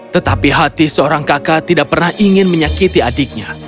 tetapi hati seorang kakak tidak pernah ingin menyakiti adiknya